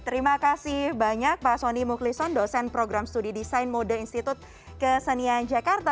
terima kasih banyak pak soni muklison dosen program studi desain mode institut kesenian jakarta